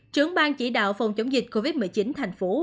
trưởng bang chỉ đạo phòng chống dịch covid một mươi chín tp hcm